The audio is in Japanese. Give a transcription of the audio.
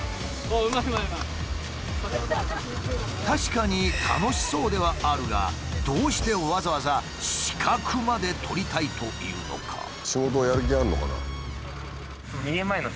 確かに楽しそうではあるがどうしてわざわざ資格まで取りたいというのか？